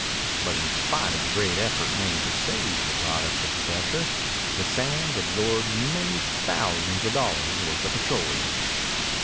But in spite of the great effort made to save the product of the gusher, the sands absorbed many thousands of dollars' worth of petroleum.